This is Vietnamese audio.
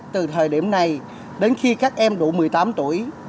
từ thời điểm này đến khi các em đủ một mươi tám tuổi